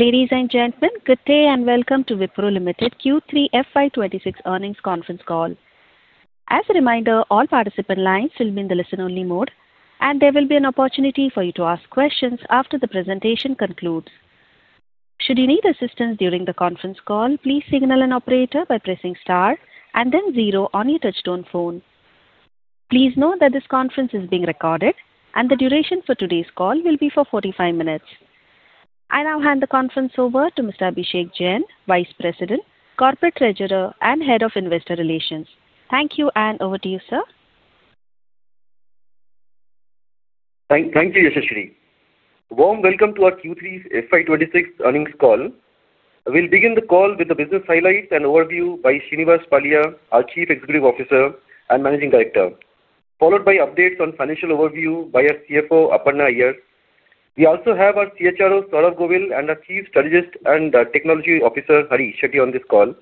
Ladies and gentlemen, good day and welcome to Wipro Limited Q3 FY2026 Earnings Conference Call. As a reminder, all participant lines will be in the listen-only mode, and there will be an opportunity for you to ask questions after the presentation concludes. Should you need assistance during the conference call, please signal an operator by pressing star and then zero on your touchtone phone. Please note that this conference is being recorded, and the duration for today's call will be for 45 minutes. I now hand the conference over to Mr. Abhishek Jain, Vice President, Corporate Treasurer, and Head of Investor Relations. Thank you, and over to you, sir. Thank you, Yashasvi. Warm welcome to our Q3 FY2026 earnings call. We'll begin the call with the business highlights and overview by Srinivas Pallia, our Chief Executive Officer and Managing Director, followed by updates on financial overview by our CFO, Aparna Iyer. We also have our CHRO, Saurabh Govil, and our Chief Strategist and Technology Officer, Hari Shetty, on this call.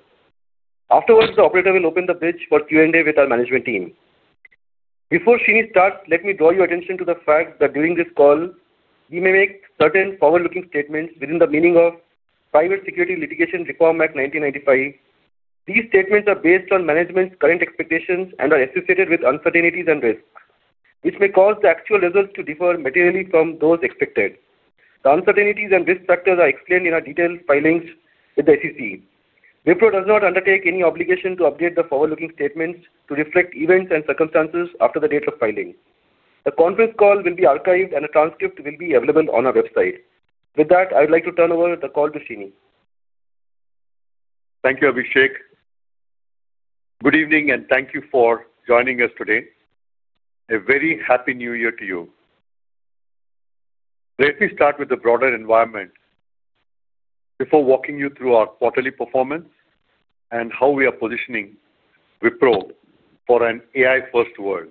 Afterwards, the operator will open the bridge for Q&A with our management team. Before Srini starts, let me draw your attention to the fact that during this call, we may make certain forward-looking statements within the meaning of Private Securities Litigation Reform Act 1995. These statements are based on management's current expectations and are associated with uncertainties and risks, which may cause the actual results to differ materially from those expected. The uncertainties and risk factors are explained in our detailed filings with the SEC. Wipro does not undertake any obligation to update the forward-looking statements to reflect events and circumstances after the date of filing. The conference call will be archived, and a transcript will be available on our website. With that, I would like to turn over the call to Srini. Thank you, Abhishek. Good evening, and thank you for joining us today. A very happy New Year to you. Let me start with the broader environment before walking you through our quarterly performance and how we are positioning Wipro for an AI-first world.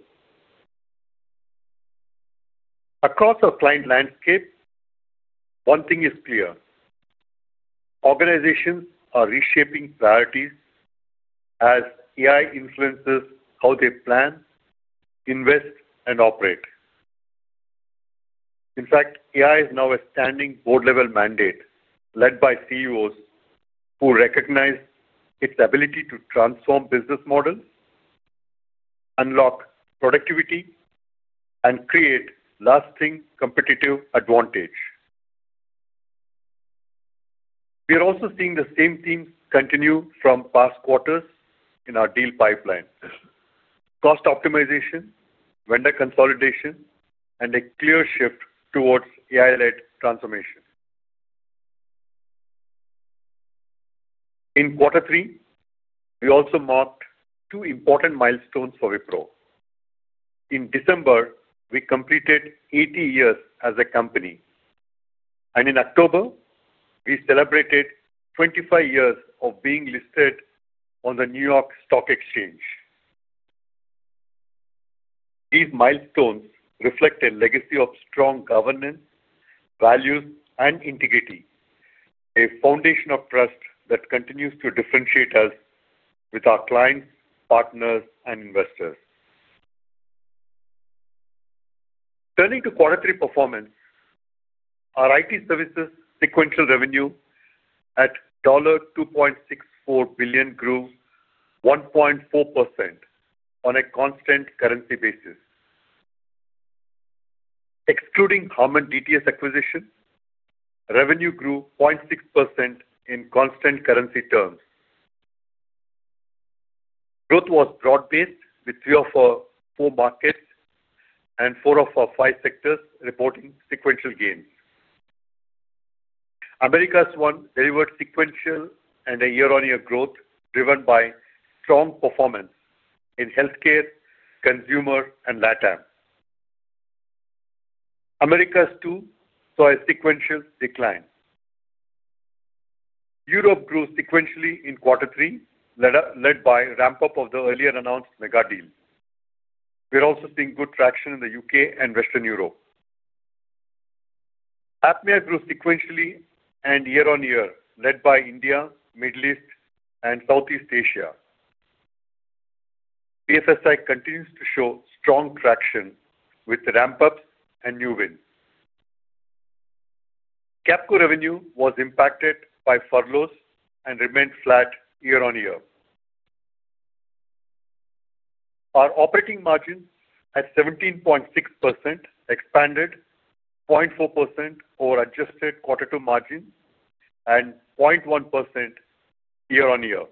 Across our client landscape, one thing is clear: organizations are reshaping priorities as AI influences how they plan, invest, and operate. In fact, AI is now a standing board-level mandate led by CEOs who recognize its ability to transform business models, unlock productivity, and create lasting competitive advantage. We are also seeing the same themes continue from past quarters in our deal pipeline: cost optimization, vendor consolidation, and a clear shift towards AI-led transformation. In quarter three, we also marked two important milestones for Wipro. In December, we completed 80 years as a company, and in October, we celebrated 25 years of being listed on the New York Stock Exchange. These milestones reflect a legacy of strong governance, values, and integrity, a foundation of trust that continues to differentiate us with our clients, partners, and investors. Turning to quarter three performance, our IT services' sequential revenue at $2.64 billion grew 1.4% on a constant currency basis. Excluding Harman DTS acquisition, revenue grew 0.6% in constant currency terms. Growth was broad-based, with three of our four markets and four of our five sectors reporting sequential gains. Americas 1 delivered sequential and a year-on-year growth driven by strong performance in healthcare, consumer, and LATAM. Americas 2 saw a sequential decline. Europe grew sequentially in quarter three, led by a ramp-up of the earlier announced mega deal. We're also seeing good traction in the U.K. and Western Europe. APMEA grew sequentially and year-on-year, led by India, Middle East, and Southeast Asia. BFSI continues to show strong traction with ramp-ups and new wins. Capco revenue was impacted by furloughs and remained flat year-on-year. Our operating margin at 17.6% expanded 0.4% over adjusted quarter-to-quarter margin and 0.1% year-on-year.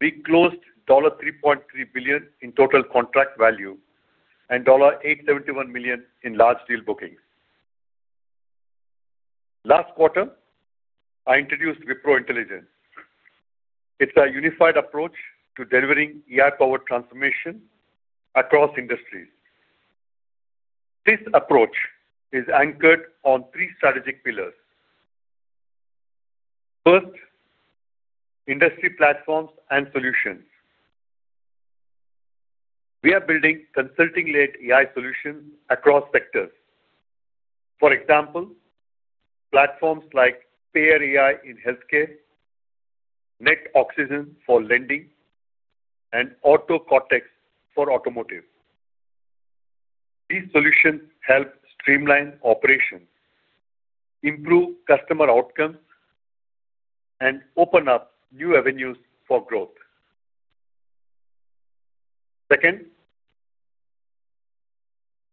We closed $3.3 billion in total contract value and $871 million in large deal bookings. Last quarter, I introduced Wipro Intelligence. It's a unified approach to delivering AI-powered transformation across industries. This approach is anchored on three strategic pillars. First, industry platforms and solutions. We are building consulting-led AI solutions across sectors. For example, platforms like Payer AI in healthcare, NetOxygen for lending, and AutoCortex for automotive. These solutions help streamline operations, improve customer outcomes, and open up new avenues for growth. Second,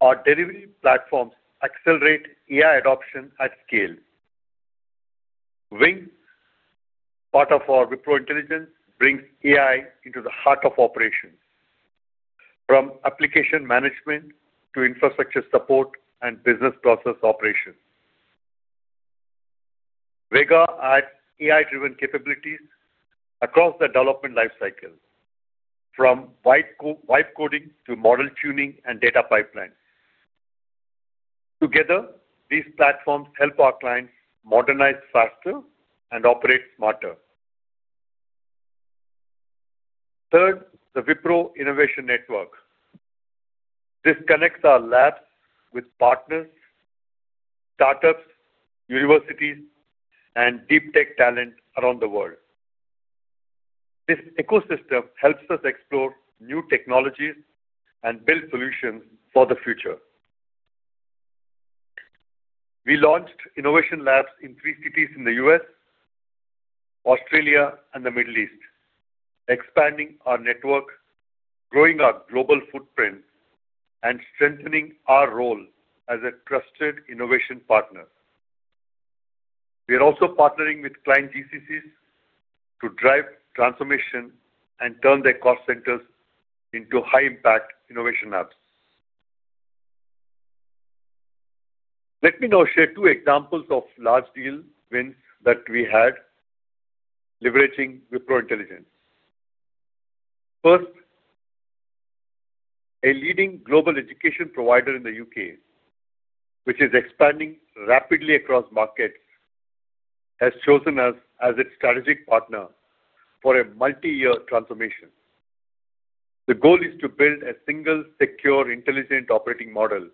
our delivery platforms accelerate AI adoption at scale. Wing, part of our Wipro Intelligence, brings AI into the heart of operations, from application management to infrastructure support and business process operations. WeGA adds AI-driven capabilities across the development lifecycle, from writing code to model tuning and data pipelines. Together, these platforms help our clients modernize faster and operate smarter. Third, the Wipro Innovation Network. This connects our labs with partners, startups, universities, and deep tech talent around the world. This ecosystem helps us explore new technologies and build solutions for the future. We launched innovation labs in three cities in the U.S., Australia, and the Middle East, expanding our network, growing our global footprint, and strengthening our role as a trusted innovation partner. We are also partnering with client GCCs to drive transformation and turn their cost centers into high-impact innovation labs. Let me now share two examples of large deal wins that we had leveraging Wipro Intelligence. First, a leading global education provider in the U.K., which is expanding rapidly across markets, has chosen us as its strategic partner for a multi-year transformation. The goal is to build a single, secure, intelligent operating model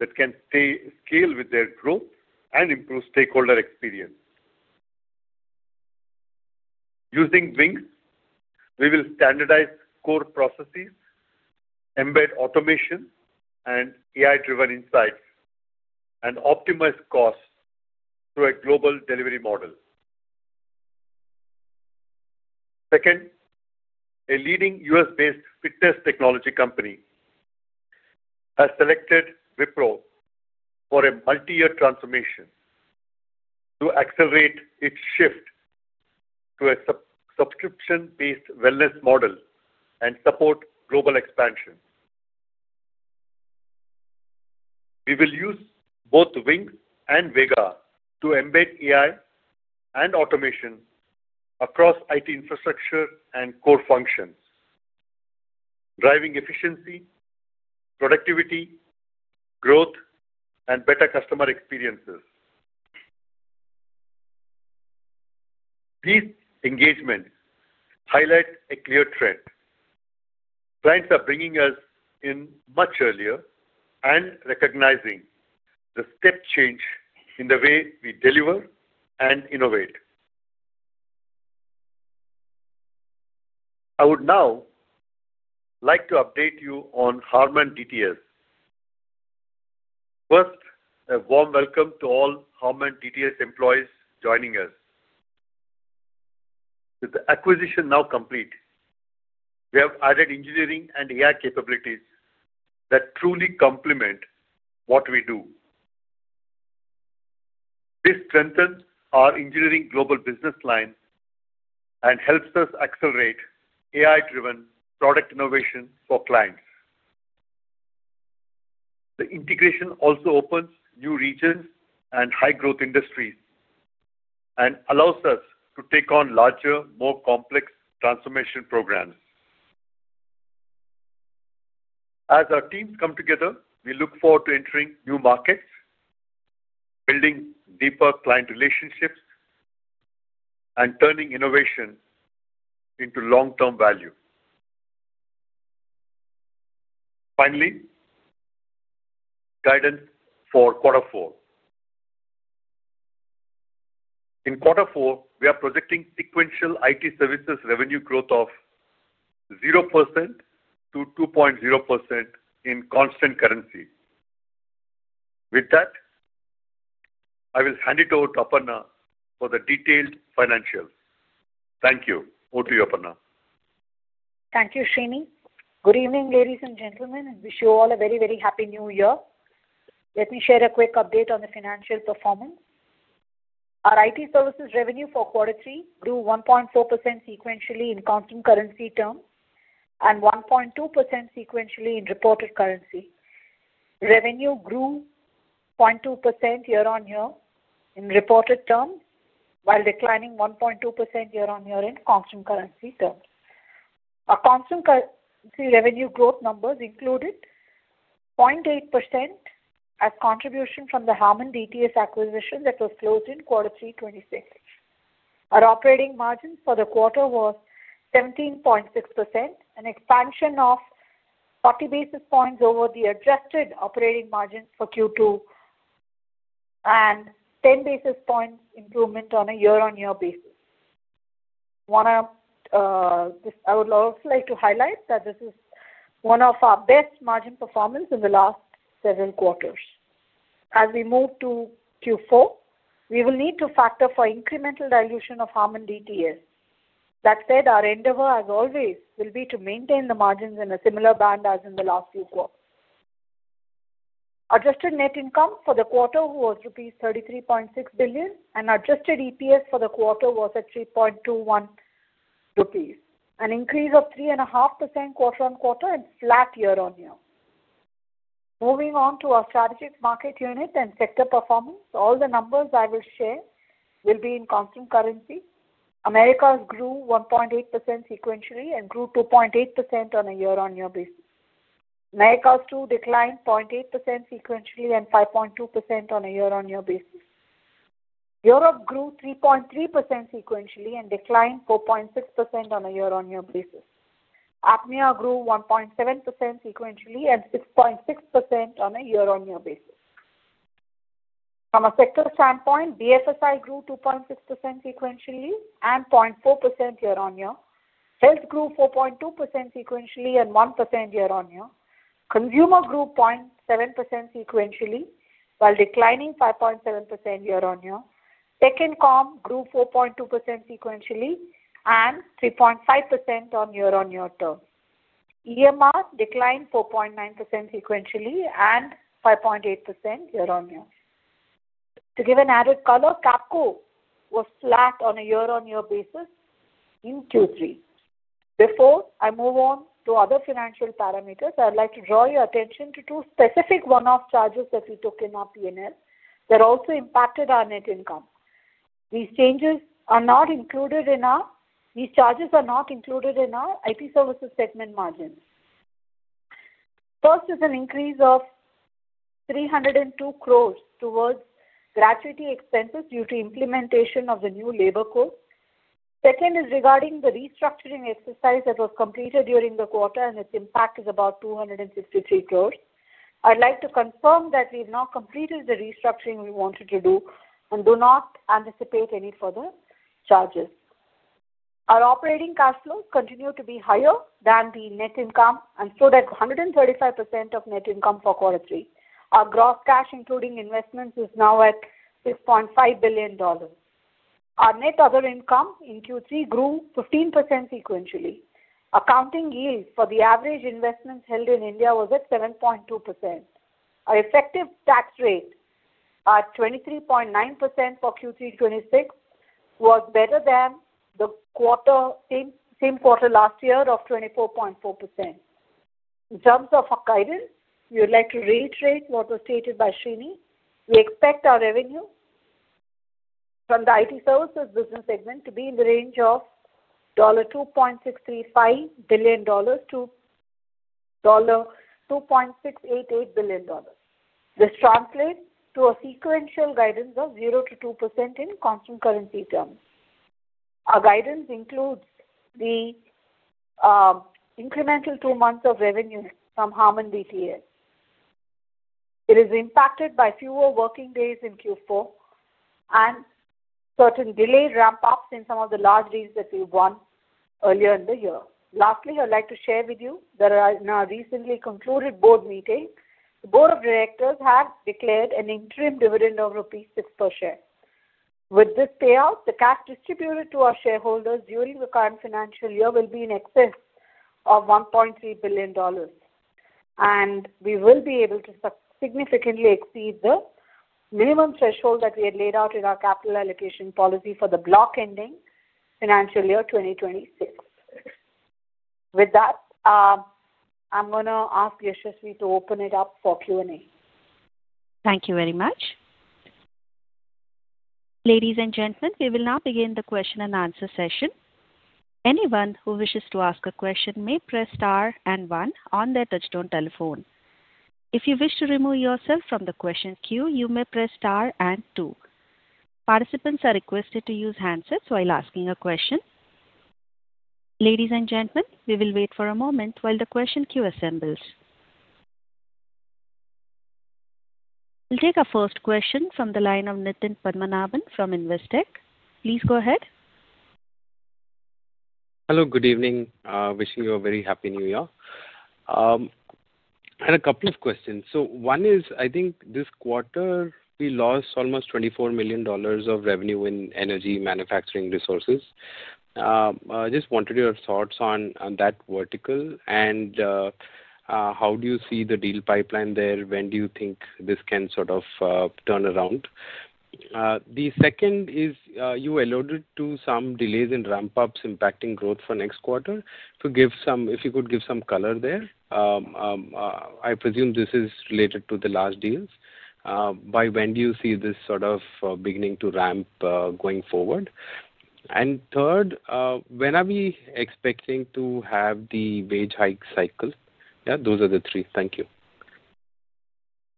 that can scale with their growth and improve stakeholder experience. Using Wing, we will standardize core processes, embed automation and AI-driven insights, and optimize costs through a global delivery model. Second, a leading U.S.-based fitness technology company has selected Wipro for a multi-year transformation to accelerate its shift to a subscription-based wellness model and support global expansion. We will use both Wing and WeGA to embed AI and automation across IT infrastructure and core functions, driving efficiency, productivity, growth, and better customer experiences. These engagements highlight a clear trend. Clients are bringing us in much earlier and recognizing the step change in the way we deliver and innovate. I would now like to update you on Harman DTS. First, a warm welcome to all Harman DTS employees joining us. With the acquisition now complete, we have added engineering and AI capabilities that truly complement what we do. This strengthens our engineering global business line and helps us accelerate AI-driven product innovation for clients. The integration also opens new regions and high-growth industries and allows us to take on larger, more complex transformation programs. As our teams come together, we look forward to entering new markets, building deeper client relationships, and turning innovation into long-term value. Finally, guidance for quarter four. In quarter four, we are projecting sequential IT services revenue growth of 0%-2.0% in constant currency. With that, I will hand it over to Aparna for the detailed financials. Thank you. Over to you, Aparna. Thank you, Srini. Good evening, ladies and gentlemen. I wish you all a very, very happy New Year. Let me share a quick update on the financial performance. Our IT services revenue for quarter three grew 1.4% sequentially in constant currency terms and 1.2% sequentially in reported currency. Revenue grew 0.2% year-on-year in reported terms while declining 1.2% year-on-year in constant currency terms. Our constant currency revenue growth numbers included 0.8% as contribution from the Harman DTS acquisition that was closed in quarter three 2026. Our operating margin for the quarter was 17.6%, an expansion of 40 basis points over the adjusted operating margin for Q2, and 10 basis points improvement on a year-on-year basis. I would also like to highlight that this is one of our best margin performances in the last several quarters. As we move to Q4, we will need to factor for incremental dilution of Harman DTS. That said, our endeavor, as always, will be to maintain the margins in a similar band as in the last few quarters. Adjusted net income for the quarter was rupees 33.6 billion, and adjusted EPS for the quarter was at 3.21 rupees, an increase of 3.5% quarter on quarter and flat year-on-year. Moving on to our strategic market unit and sector performance, all the numbers I will share will be in constant currency. Americas 1 grew 1.8% sequentially and grew 2.8% on a year-on-year basis. Americas 2 declined 0.8% sequentially and 5.2% on a year-on-year basis. Europe grew 3.3% sequentially and declined 4.6% on a year-on-year basis. APMEA grew 1.7% sequentially and 6.6% on a year-on-year basis. From a sector standpoint, BFSI grew 2.6% sequentially and 0.4% year-on-year. Health grew 4.2% sequentially and 1% year-on-year. Consumer grew 0.7% sequentially while declining 5.7% year-on-year. Communications grew 4.2% sequentially and 3.5% year-on-year. EMR declined 4.9% sequentially and 5.8% year-on-year. To give an added color, Capco was flat on a year-on-year basis in Q3. Before I move on to other financial parameters, I'd like to draw your attention to two specific one-off charges that we took in our P&L that also impacted our net income. These charges are not included in our IT services segment margins. First is an increase of 302 crores towards gratuity expenses due to implementation of the new labor code. Second is regarding the restructuring exercise that was completed during the quarter, and its impact is about ₹263 crores. I'd like to confirm that we've now completed the restructuring we wanted to do and do not anticipate any further charges. Our operating cash flows continue to be higher than the net income and stood at 135% of net income for Q3. Our gross cash, including investments, is now at $6.5 billion. Our net other income in Q3 grew 15% sequentially. Accounting yield for the average investments held in India was at 7.2%. Our effective tax rate, at 23.9% for Q3 2026, was better than the same quarter last year of 24.4%. In terms of our guidance, we would like to reiterate what was stated by Srini. We expect our revenue from the IT services business segment to be in the range of $2.635 billion-$2.688 billion. This translates to a sequential guidance of 0-2% in constant currency terms. Our guidance includes the incremental two months of revenue from Harman DTS. It is impacted by fewer working days in Q4 and certain delayed ramp-ups in some of the large deals that we won earlier in the year. Lastly, I'd like to share with you that in our recently concluded board meeting, the board of directors has declared an interim dividend of INR 6 per share. With this payout, the cash distributed to our shareholders during the current financial year will be in excess of $1.3 billion, and we will be able to significantly exceed the minimum threshold that we had laid out in our capital allocation policy for the block-ending financial year 2026. With that, I'm going to ask Yashasvi to open it up for Q&A. Thank you very much. Ladies and gentlemen, we will now begin the question and answer session. Anyone who wishes to ask a question may press star and one on their touchtone telephone. If you wish to remove yourself from the question queue, you may press star and two. Participants are requested to use handsets while asking a question. Ladies and gentlemen, we will wait for a moment while the question queue assembles. We'll take our first question from the line of Nitin Padmanabhan from Investec. Please go ahead. Hello. Good evening. Wishing you a very happy New Year. I had a couple of questions. So one is, I think this quarter, we lost almost $24 million of revenue in Energy, Manufacturing, and Resources. I just wanted your thoughts on that vertical and how do you see the deal pipeline there? When do you think this can sort of turn around? The second is you alluded to some delays and ramp-ups impacting growth for next quarter. If you could give some color there, I presume this is related to the last deals. By when do you see this sort of beginning to ramp going forward? And third, when are we expecting to have the wage hike cycle? Yeah, those are the three. Thank you.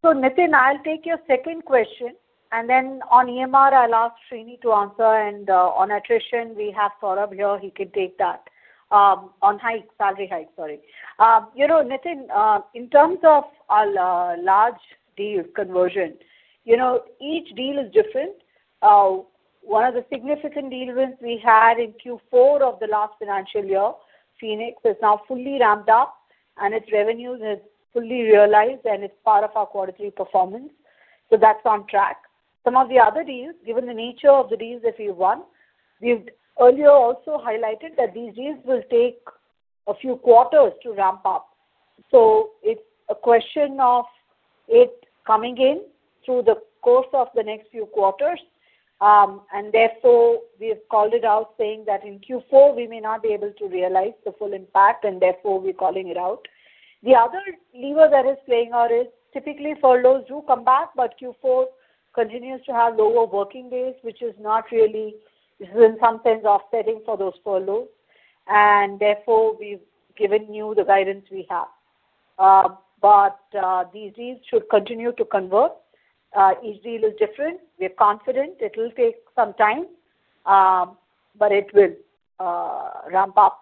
So, Nitin, I'll take your second question, and then on EMR, I'll ask Srini to answer, and on attrition, we have Saurabh here. He can take that. On hike, salary hike, sorry. Nitin, in terms of large deal conversion, each deal is different. One of the significant deals we had in Q4 of the last financial year, Phoenix, is now fully ramped up, and its revenue has fully realized, and it's part of our quarterly performance. So that's on track. Some of the other deals, given the nature of the deals that we've won, we've earlier also highlighted that these deals will take a few quarters to ramp up. So it's a question of it coming in through the course of the next few quarters. And therefore, we have called it out saying that in Q4, we may not be able to realize the full impact, and therefore, we're calling it out. The other lever that is playing out is typically furloughs do come back, but Q4 continues to have lower working days, which is not really, this is in some sense offsetting for those furloughs. And therefore, we've given you the guidance we have. But these deals should continue to convert. Each deal is different. We're confident it will take some time, but it will ramp up.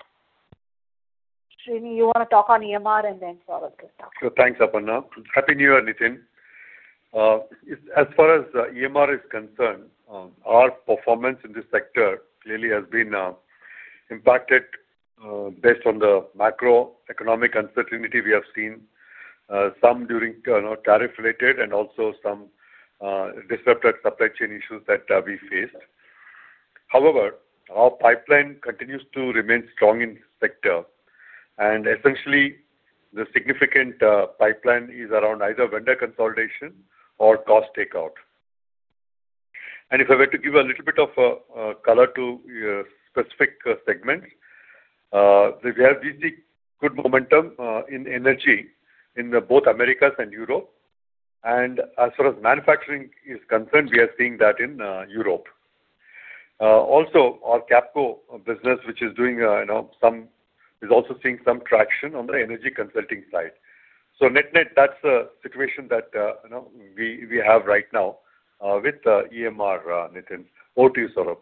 Srini, you want to talk on EMR, and then Saurabh can talk. So thanks, Aparna. Happy New Year, Nitin. As far as EMR is concerned, our performance in this sector clearly has been impacted based on the macroeconomic uncertainty we have seen, some tariff-related and also some disrupted supply chain issues that we faced. However, our pipeline continues to remain strong in the sector, and essentially, the significant pipeline is around either vendor consolidation or cost takeout. And if I were to give you a little bit of color to specific segments, we have good momentum in energy in both Americas and Europe. And as far as manufacturing is concerned, we are seeing that in Europe. Also, our Capco business is also seeing some traction on the energy consulting side. So net-net, that's the situation that we have right now with EMR, Nitin. Over to you, Saurabh.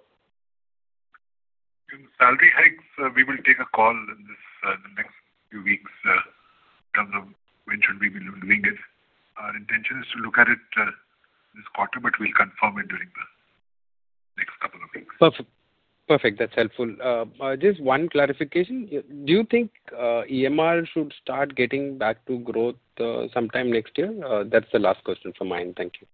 Salary hikes, we will take a call in the next few weeks in terms of when should we be doing it. Our intention is to look at it this quarter, but we'll confirm it during the next couple of weeks. Perfect. That's helpful. Just one clarification. Do you think EMR should start getting back to growth sometime next year? That's the last question from mine. Thank you.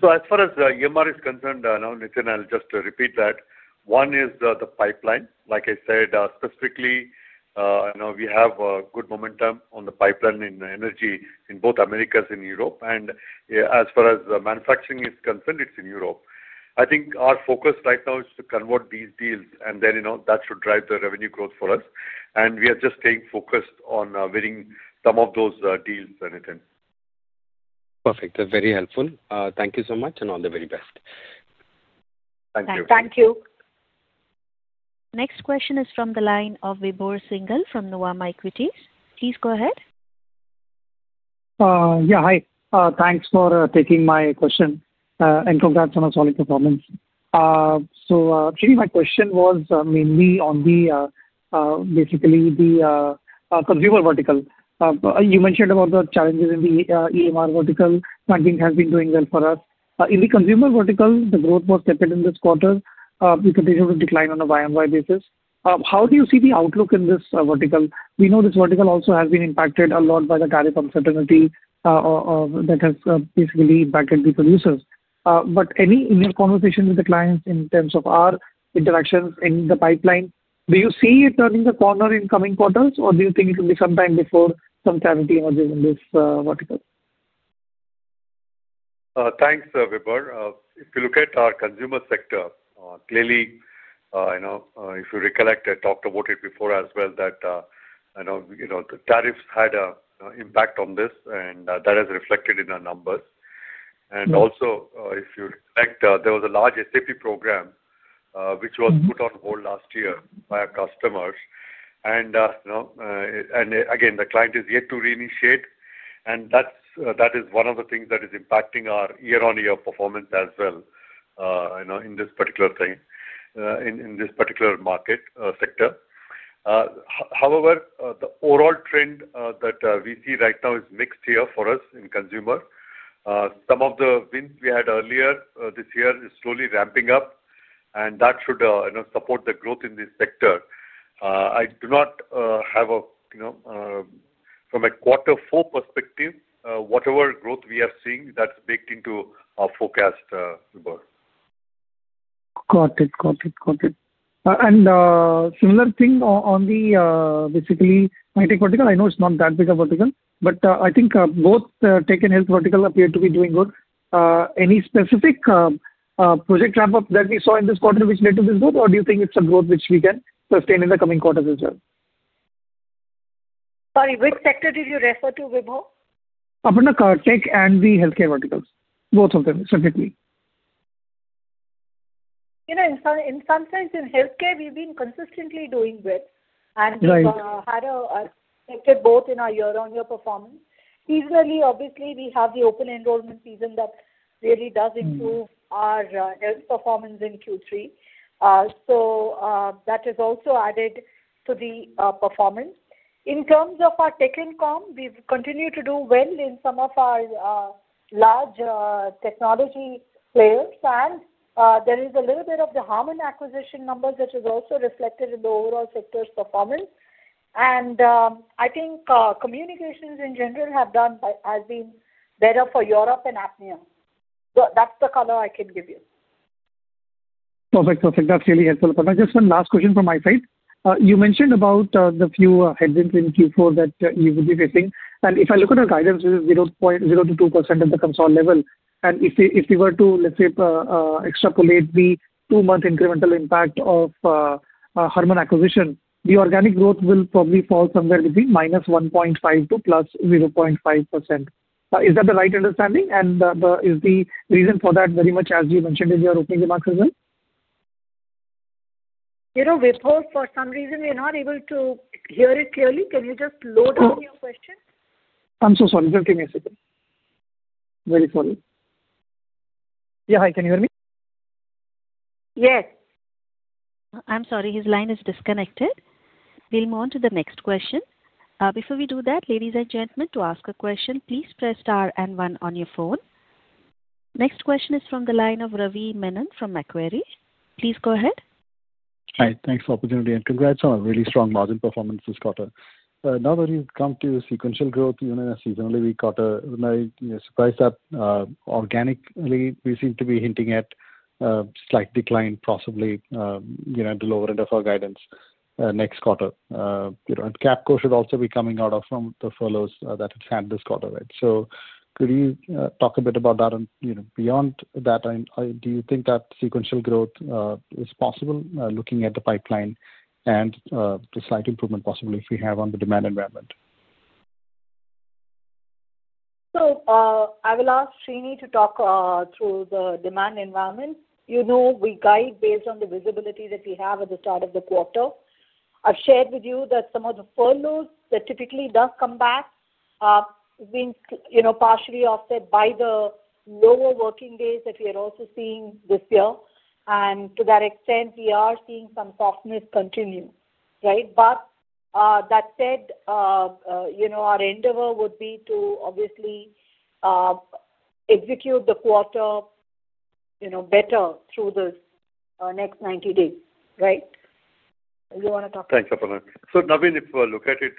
So as far as EMR is concerned, Nitin, I'll just repeat that. One is the pipeline. Like I said, specifically, we have good momentum on the pipeline in energy in both Americas and Europe. And as far as manufacturing is concerned, it's in Europe. I think our focus right now is to convert these deals, and then that should drive the revenue growth for us. And we are just staying focused on winning some of those deals, Nitin. Perfect. That's very helpful. Thank you so much, and all the very best. Thank you. Thank you. Next question is from the line of Vibhor Singhal from Nuvama Equities. Please go ahead. Yeah. Hi. Thanks for taking my question and congrats on a solid performance. So actually, my question was mainly on basically the consumer vertical. You mentioned about the challenges in the EMR vertical. I think it has been doing well for us. In the consumer vertical, the growth was steeper in this quarter. We continued to decline on a Y-on-Y basis. How do you see the outlook in this vertical? We know this vertical also has been impacted a lot by the tariff uncertainty that has basically impacted the producers. But in your conversation with the clients in terms of our interactions in the pipeline, do you see it turning the corner in coming quarters, or do you think it will be sometime before some clarity emerges in this vertical? Thanks, Vibhor. If you look at our consumer sector, clearly, if you recollect, I talked about it before as well, that the tariffs had an impact on this, and that has reflected in our numbers. And also, if you recollect, there was a large SAP program, which was put on hold last year by our customers. And again, the client is yet to reinitiate, and that is one of the things that is impacting our year-on-year performance as well in this particular thing, in this particular market sector. However, the overall trend that we see right now is mixed here for us in consumer. Some of the wins we had earlier this year is slowly ramping up, and that should support the growth in this sector. I do not have from a quarter four perspective, whatever growth we are seeing, that's baked into our forecast, Vibhor. Got it. And similar thing on the basically high-tech vertical. I know it's not that big a vertical, but I think both tech and health vertical appear to be doing good. Any specific project ramp-up that we saw in this quarter, which led to this growth, or do you think it's a growth which we can sustain in the coming quarters as well? Sorry, which sector did you refer to, Vibhor? Aparna, Tech and the healthcare verticals. Both of them, strongly. In some sense, in healthcare, we've been consistently doing good and had a sector both in our year-on-year performance. Seasonally, obviously, we have the open enrollment season that really does improve our health performance in Q3. So that has also added to the performance. In terms of our Tech and Com, we've continued to do well in some of our large technology players, and there is a little bit of the Harman acquisition numbers that is also reflected in the overall sector's performance, and I think communications in general have been better for Europe and APMEA. That's the color I can give you. Perfect. Perfect. That's really helpful. Aparna, just one last question from my side. You mentioned about the few headwinds in Q4 that you would be facing, and if I look at our guidance, constant 0 to 2% at the consolidated level. And if we were to, let's say, extrapolate the two-month incremental impact of Harman acquisition, the organic growth will probably fall somewhere between -1.5% to +0.5%. Is that the right understanding, and is the reason for that very much as you mentioned in your opening remarks as well? Vibhor, for some reason, we're not able to hear it clearly. Can you just lower down your question? I'm so sorry. Just give me a second. Very sorry. Yeah. Hi. Can you hear me? Yes. I'm sorry. His line is disconnected. We'll move on to the next question. Before we do that, ladies and gentlemen, to ask a question, please press star and one on your phone. Next question is from the line of Ravi Menon from Macquarie. Please go ahead. Hi. Thanks for the opportunity. And congrats on a really strong margin performance this quarter. Now that we've come to sequential growth, seasonally, we are surprised that organically, we seem to be hinting at a slight decline, possibly at the lower end of our guidance next quarter. And Capco should also be coming out from the furloughs that it's had this quarter. So could you talk a bit about that? And beyond that, do you think that sequential growth is possible, looking at the pipeline and the slight improvement possibly if we have on the demand environment? So I will ask Srini to talk through the demand environment. We guide based on the visibility that we have at the start of the quarter. I've shared with you that some of the furloughs that typically do come back have been partially offset by the lower working days that we are also seeing this year. And to that extent, we are seeing some softness continue, right? But that said, our endeavor would be to obviously execute the quarter better through the next 90 days, right? Do you want to talk? Thanks, Aparna. So Navin, if we look at it,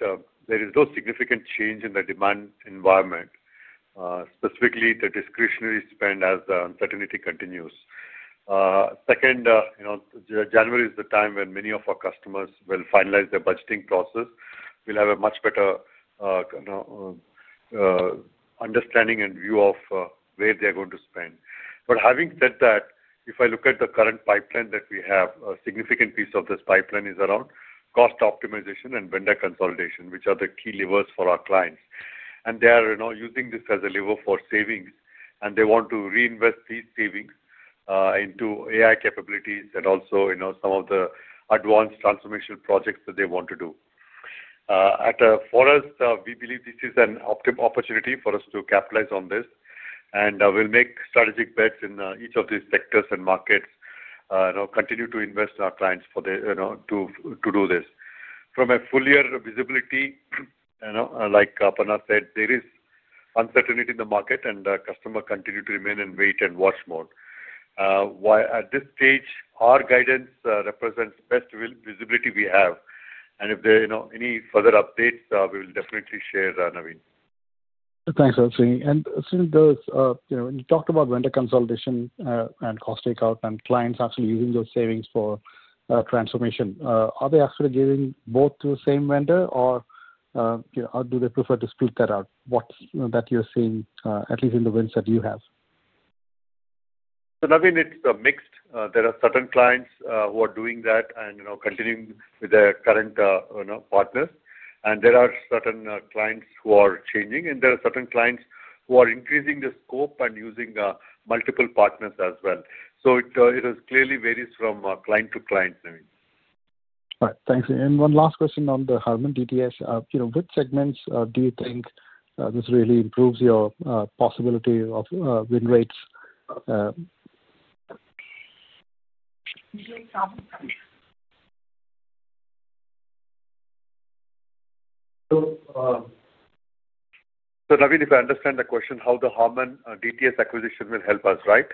there is no significant change in the demand environment, specifically the discretionary spend as the uncertainty continues. Second, January is the time when many of our customers will finalize their budgeting process. We'll have a much better understanding and view of where they're going to spend. But having said that, if I look at the current pipeline that we have, a significant piece of this pipeline is around cost optimization and vendor consolidation, which are the key levers for our clients. And they are using this as a lever for savings, and they want to reinvest these savings into AI capabilities and also some of the advanced transformation projects that they want to do. For us, we believe this is an opportunity for us to capitalize on this, and we'll make strategic bets in each of these sectors and markets, continue to invest in our clients to do this. From a full-year visibility, like Aparna said, there is uncertainty in the market, and customers continue to remain in wait and watch mode. At this stage, our guidance represents the best visibility we have, and if there are any further updates, we will definitely share, Navin. Thanks, Srini. And Srini, when you talked about vendor consolidation and cost takeout and clients actually using those savings for transformation, are they actually giving both to the same vendor, or do they prefer to split that out? What's that you're seeing, at least in the wins that you have? So Navin, it's mixed. There are certain clients who are doing that and continuing with their current partners. And there are certain clients who are changing, and there are certain clients who are increasing the scope and using multiple partners as well. So it clearly varies from client to client, Navin. All right. Thanks. And one last question on the Harman DTS. Which segments do you think this really improves your possibility of win rates? So Navin, if I understand the question, how the Harman DTS acquisition will help us, right?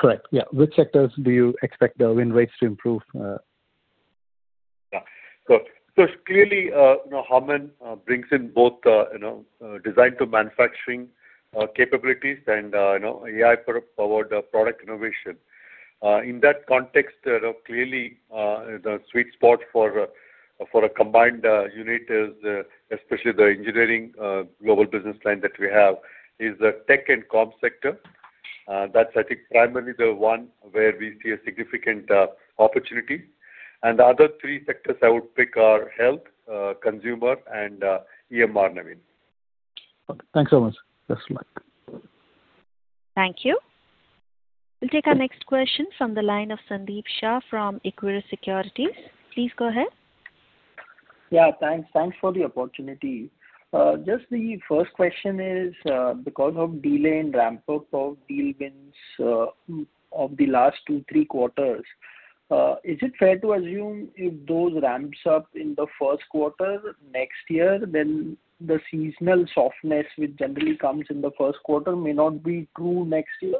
Correct. Yeah. Which sectors do you expect the win rates to improve? Yeah, so clearly, Harman brings in both design to manufacturing capabilities and AI-powered product innovation. In that context, clearly, the sweet spot for a combined unit, especially the engineering global business plan that we have, is the tech and com sector. That's, I think, primarily the one where we see a significant opportunity, and the other three sectors I would pick are health, consumer, and EMR, Navin. Thanks so much. That's all. Thank you. We'll take our next question from the line of Sandeep Shah from Equirus Securities. Please go ahead. Yeah. Thanks. Thanks for the opportunity. Just the first question is, because of delay in ramp-up of deal wins of the last two, three quarters, is it fair to assume if those ramp up in the first quarter next year, then the seasonal softness which generally comes in the first quarter may not be true next year?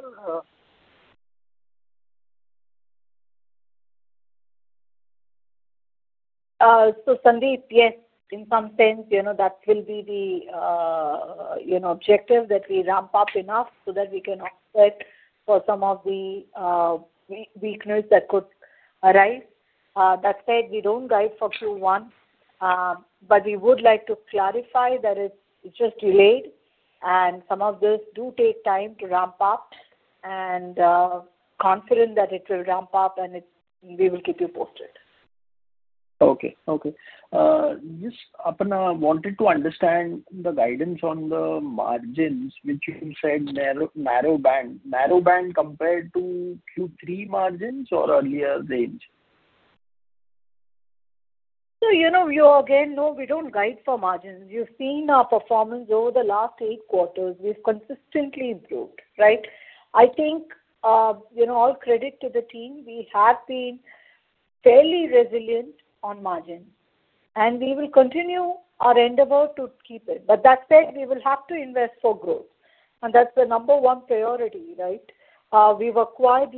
So Sandeep, yes, in some sense, that will be the objective that we ramp up enough so that we can offset for some of the weakness that could arise. That said, we don't guide for Q1, but we would like to clarify that it's just delayed, and some of those do take time to ramp up. And confident that it will ramp up, and we will keep you posted. Okay. Okay. Aparna wanted to understand the guidance on the margins, which you said narrow band. Narrow band compared to Q3 margins or earlier range? So again, no, we don't guide for margins. You've seen our performance over the last eight quarters. We've consistently improved, right? I think all credit to the team. We have been fairly resilient on margins, and we will continue our endeavor to keep it. But that said, we will have to invest for growth, and that's the number one priority, right? We've acquired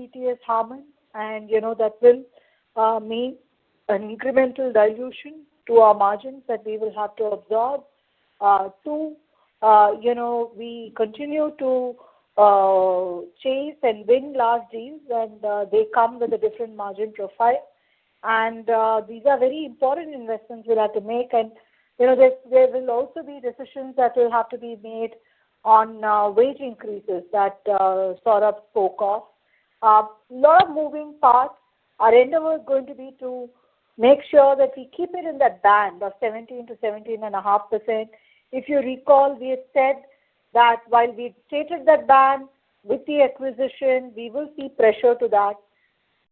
Harman DTS, and that will mean an incremental dilution to our margins that we will have to absorb. Two, we continue to chase and win large deals, and they come with a different margin profile. And these are very important investments we'll have to make. And there will also be decisions that will have to be made on wage increases that Saurabh spoke of. A lot of moving parts. Our endeavor is going to be to make sure that we keep it in that band of 17%-17.5%. If you recall, we had said that while we stated that band with the acquisition, we will see pressure to that.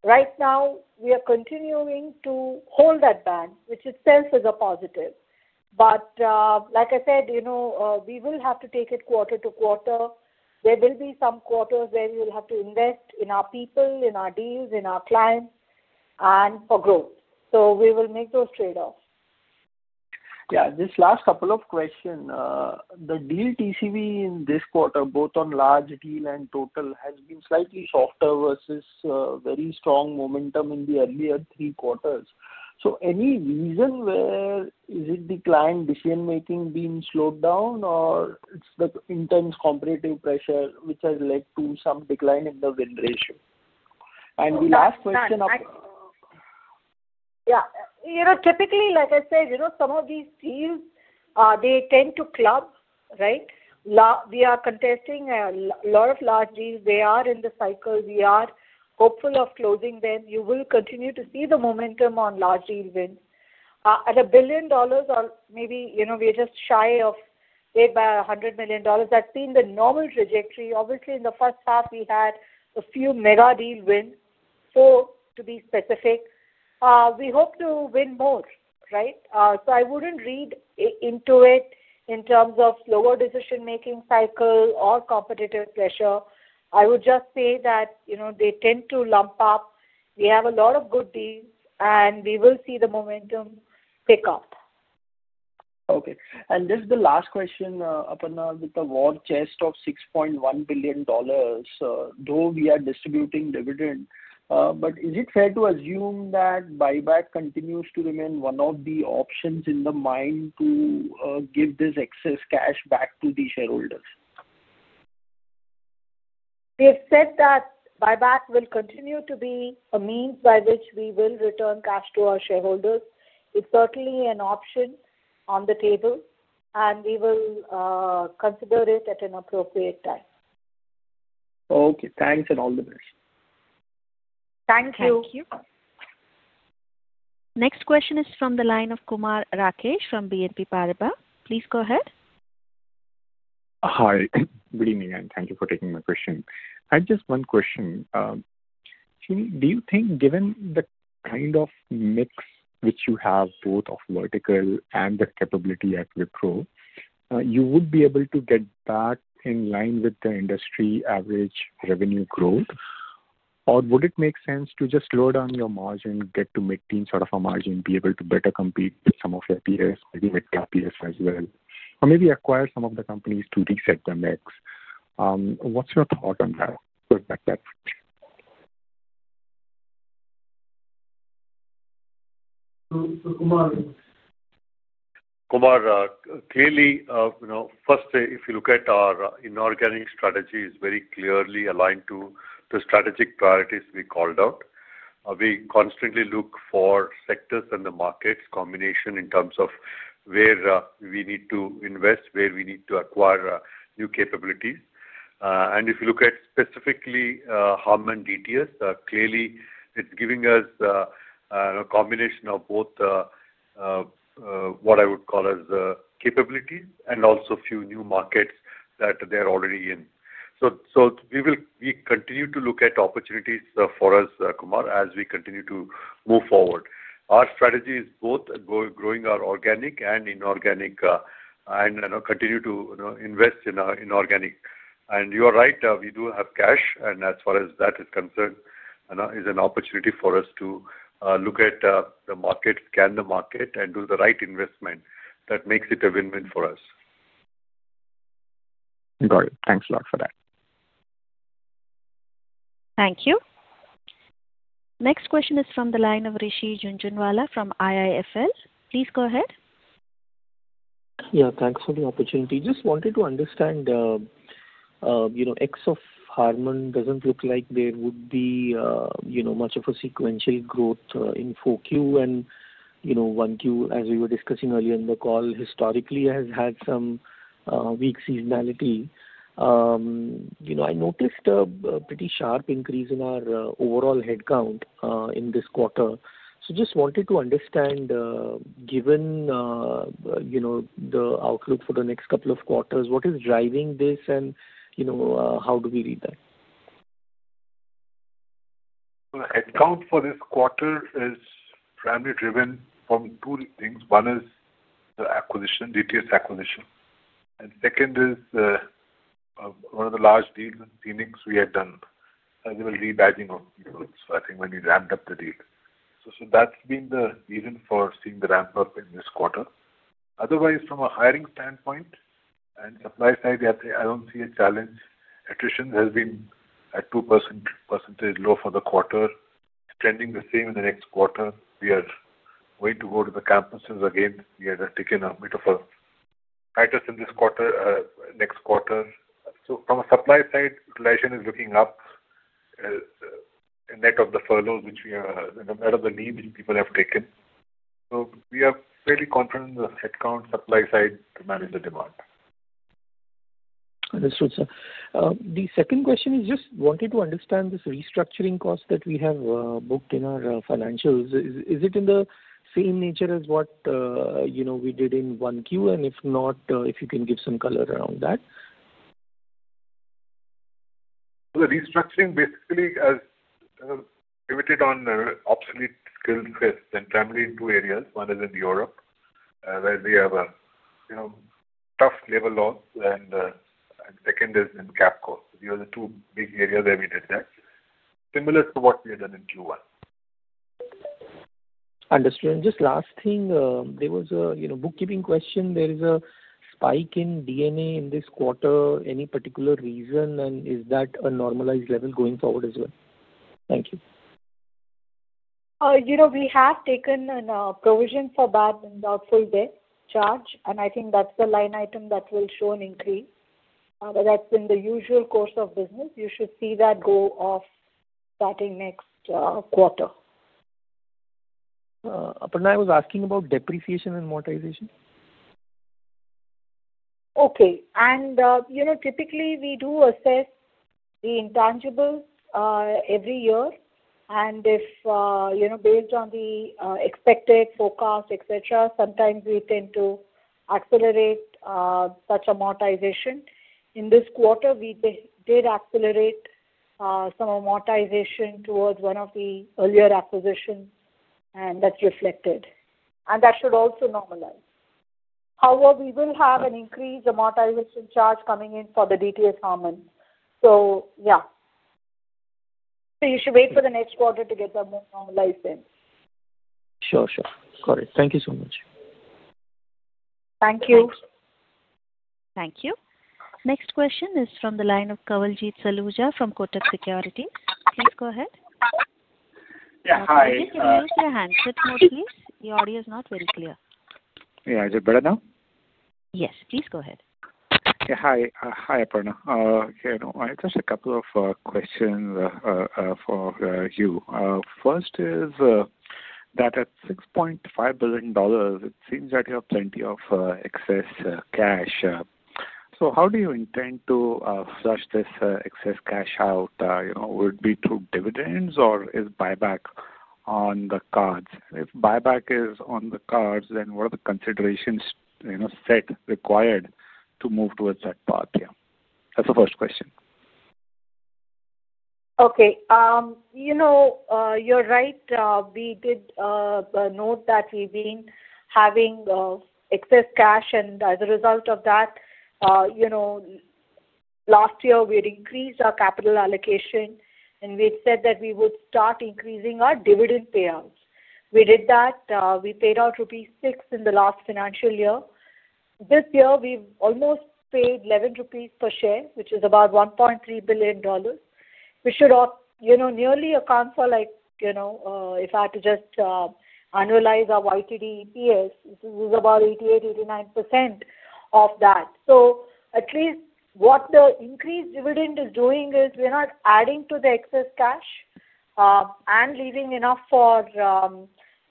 Right now, we are continuing to hold that band, which itself is a positive. But like I said, we will have to take it quarter to quarter. There will be some quarters where we will have to invest in our people, in our deals, in our clients, and for growth. So we will make those trade-offs. Yeah. This last couple of questions, the deal TCV in this quarter, both on large deal and total, has been slightly softer versus very strong momentum in the earlier three quarters. So any reason where is it the client decision-making being slowed down, or it's the intense competitive pressure which has led to some decline in the win ratio? And the last question. Yeah. Typically, like I said, some of these deals, they tend to club, right? We are contesting a lot of large deals. They are in the cycle. We are hopeful of closing them. You will continue to see the momentum on large deal wins. At $1 billion, or maybe we're just shy of $800 million. That's been the normal trajectory. Obviously, in the first half, we had a few mega deal wins. Four, to be specific. We hope to win more, right? So I wouldn't read into it in terms of slower decision-making cycle or competitive pressure. I would just say that they tend to lump up. We have a lot of good deals, and we will see the momentum pick up. Okay, and just the last question, Aparna, with the war chest of $6.1 billion, though we are distributing dividend, but is it fair to assume that buyback continues to remain one of the options in the mind to give this excess cash back to the shareholders? We have said that buyback will continue to be a means by which we will return cash to our shareholders. It's certainly an option on the table, and we will consider it at an appropriate time. Okay. Thanks and all the best. Thank you. Thank you. Next question is from the line of Kumar Rakesh from BNP Paribas. Please go ahead. Hi. Good evening, and thank you for taking my question. I have just one question. Srini, do you think given the kind of mix which you have, both of verticals and the capability at Wipro, you would be able to get back in line with the industry average revenue growth? Or would it make sense to just lower down your margin, get to mid-teens sort of a margin, be able to better compete with some of your peers, maybe with top peers as well, or maybe acquire some of the companies to reset the mix? What's your thought on that? So Kumar. Kumar, clearly, first, if you look at our inorganic strategy, it's very clearly aligned to the strategic priorities we called out. We constantly look for sectors and the markets combination in terms of where we need to invest, where we need to acquire new capabilities, and if you look at specifically Harman DTS, clearly, it's giving us a combination of both what I would call as capabilities and also a few new markets that they're already in, so we continue to look at opportunities for us, Kumar, as we continue to move forward. Our strategy is both growing our organic and inorganic and continue to invest in our inorganic, and you are right. We do have cash, and as far as that is concerned, it is an opportunity for us to look at the market, scan the market, and do the right investment that makes it a win-win for us. Got it. Thanks a lot for that. Thank you. Next question is from the line of Rishi Jhunjhunwala from IIFL. Please go ahead. Yeah. Thanks for the opportunity. Just wanted to understand revenue of Harman doesn't look like there would be much of a sequential growth in 4Q and 1Q, as we were discussing earlier in the call. Historically, it has had some weak seasonality. I noticed a pretty sharp increase in our overall headcount in this quarter. So just wanted to understand, given the outlook for the next couple of quarters, what is driving this and how do we read that? The headcount for this quarter is primarily driven from two things. One is the DTS acquisition, and second is one of the large deals and clients we had done, as well as rebadging of people, so I think when we ramped up the deal, so that's been the reason for seeing the ramp-up in this quarter. Otherwise, from a hiring standpoint and supply side, I don't see a challenge. Attrition has been at 2% low for the quarter, trending the same in the next quarter. We are going to go to the campuses again. We had taken a bit of a hiatus in this quarter, next quarter. So from a supply side, utilization is looking up net of the furloughs, which we are net of the leave which people have taken. So we are fairly confident in the headcount, supply side to manage the demand. Understood, sir. The second question is just wanted to understand this restructuring cost that we have booked in our financials. Is it in the same nature as what we did in 1Q? And if not, if you can give some color around that. The restructuring, basically, has pivoted on obsolete skill sets and primarily in two areas. One is in Europe, where we have a tough labor laws, and the second is in Capco. Those are the two big areas where we did that, similar to what we had done in Q1. Understood. And just last thing, there was a bookkeeping question. There is a spike in D&A in this quarter. Any particular reason, and is that a normalized level going forward as well? Thank you. We have taken a provision for bad and doubtful debt charge, and I think that's the line item that will show an increase. That's in the usual course of business. You should see that go off starting next quarter. Aparna, I was asking about depreciation and amortization. Okay. And typically, we do assess the intangibles every year. And based on the expected forecast, etc., sometimes we tend to accelerate such amortization. In this quarter, we did accelerate some amortization towards one of the earlier acquisitions, and that's reflected. And that should also normalize. However, we will have an increased amortization charge coming in for the DTS Harman DTS. So yeah. So you should wait for the next quarter to get the normalized thing. Sure, sure. Got it. Thank you so much. Thank you. Thank you. Next question is from the line of Kawaljeet Saluja from Kotak Securities. Please go ahead. Yeah. Hi. Kawaljeet, can you raise your hand? Speak more, please. Your audio is not very clear. Yeah. Is it better now? Yes. Please go ahead. Yeah. Hi. Hi, Aparna. Just a couple of questions for you. First is that at $6.5 billion, it seems that you have plenty of excess cash. So how do you intend to flush this excess cash out? Would it be through dividends, or is buyback on the cards? If buyback is on the cards, then what are the considerations set required to move towards that path? Yeah. That's the first question. Okay. You're right. We did note that we've been having excess cash, and as a result of that, last year, we had increased our capital allocation, and we had said that we would start increasing our dividend payouts. We did that. We paid out rupees 6 in the last financial year. This year, we've almost paid 11 rupees per share, which is about $1.3 billion, which should nearly account for, if I had to just analyze our YTD EPS, it was about 88%-89% of that. So at least what the increased dividend is doing is we're not adding to the excess cash and leaving enough for a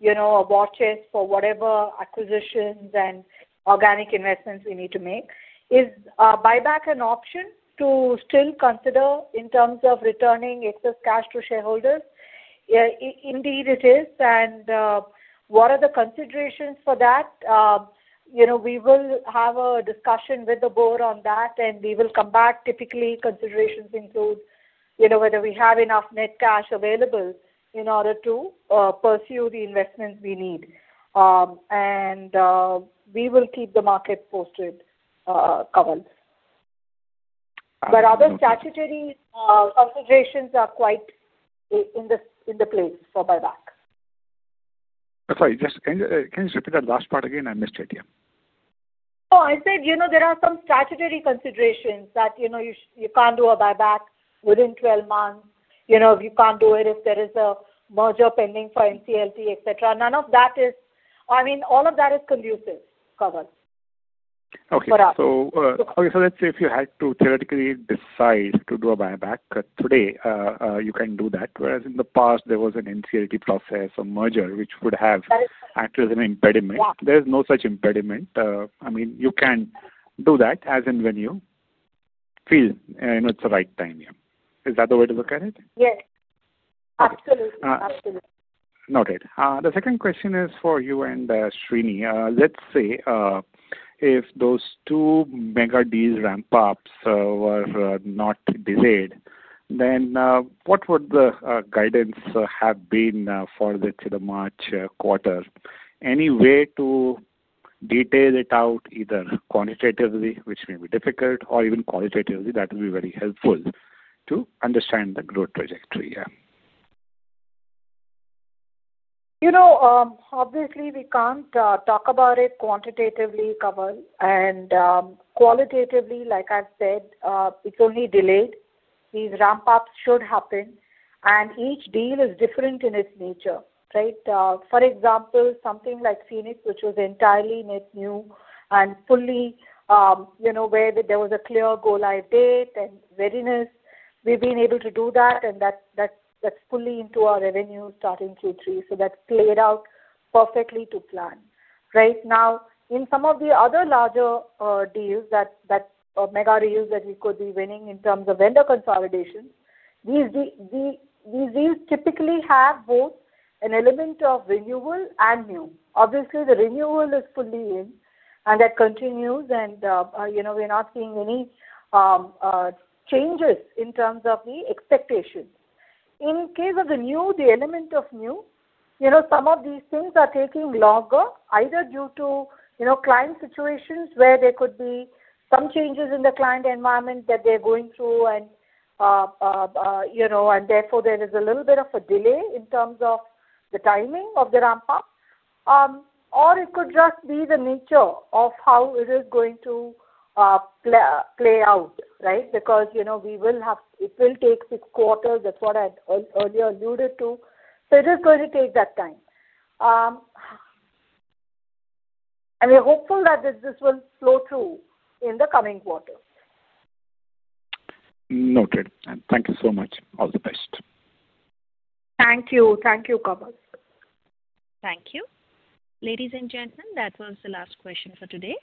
war chest for whatever acquisitions and organic investments we need to make. Is buyback an option to still consider in terms of returning excess cash to shareholders? Indeed, it is. And what are the considerations for that? We will have a discussion with the board on that, and we will come back. Typically, considerations include whether we have enough net cash available in order to pursue the investments we need, and we will keep the market posted, Kawaljeet, but other statutory considerations are quite in place for buyback. Sorry. Can you just repeat that last part again? I missed it. Yeah. Oh, I said there are some statutory considerations that you can't do a buyback within 12 months. You can't do it if there is a merger pending for NCLT, etc. None of that is. I mean, all of that is conducive, Kawaljeet. Okay. So let's say if you had to theoretically decide to do a buyback today, you can do that. Whereas in the past, there was an NCLT process or merger which would have acted as an impediment. There is no such impediment. I mean, you can do that as and when you feel it's the right time. Yeah. Is that the way to look at it? Yes. Absolutely. Absolutely. Noted. The second question is for you and Srini. Let's say if those two mega deals ramp up were not delayed, then what would the guidance have been for the March quarter? Any way to detail it out either quantitatively, which may be difficult, or even qualitatively? That would be very helpful to understand the growth trajectory. Yeah. Obviously, we can't talk about it quantitatively, Kawaljeet, and qualitatively, like I've said, it's only delayed. These ramp-ups should happen, and each deal is different in its nature, right? For example, something like Phoenix, which was entirely net new and fully where there was a clear go-live date and readiness, we've been able to do that, and that's fully into our revenue starting Q3, so that played out perfectly to plan. Right now, in some of the other larger deals, those mega deals that we could be winning in terms of vendor consolidation, these deals typically have both an element of renewal and new. Obviously, the renewal is fully in, and that continues, and we're not seeing any changes in terms of the expectations. In the case of the new, some of these things are taking longer, either due to client situations where there could be some changes in the client environment that they're going through, and therefore, there is a little bit of a delay in terms of the timing of the ramp-up. Or it could just be the nature of how it is going to play out, right? Because it will take six quarters. That's what I earlier alluded to. So it is going to take that time, and we're hopeful that this will flow through in the coming quarter. Noted. Thank you so much. All the best. Thank you. Thank you, Kawaljeet. Thank you. Ladies and gentlemen, that was the last question for today.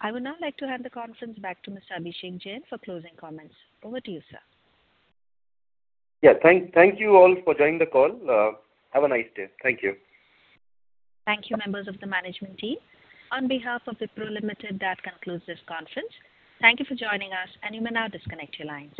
I would now like to hand the conference back to Mr. Abhishek Jain for closing comments. Over to you, sir. Yeah. Thank you all for joining the call. Have a nice day. Thank you. Thank you, members of the management team. On behalf of Wipro Limited, that concludes this conference. Thank you for joining us, and you may now disconnect your lines.